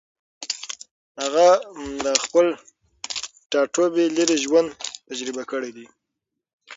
هغې له خپل ټاټوبي لېرې ژوند تجربه کړی دی.